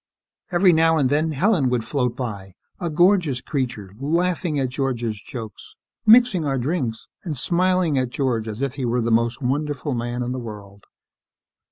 Every now and then, Helen would float by, a gorgeous creature, laughing at George's jokes, mixing our drinks, and smiling at George as if he were the most wonderful man in the world.